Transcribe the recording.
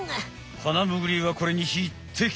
ハナムグリはこれにひってき！